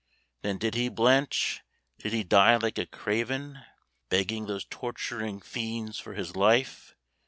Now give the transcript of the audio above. Then did he blench? Did he die like a craven, Begging those torturing fiends for his life?